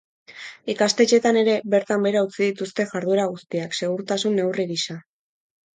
Ikastetxeetan ere, bertan behera utzi dituzte jarduera guztiak, segurtasun neurri gisa.